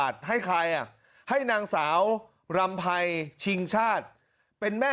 จังหวัดชลบุรี